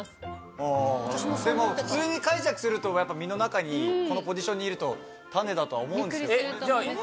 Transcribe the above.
でも普通に解釈すると実の中にこのポジションにいると種だとは思うんですけど。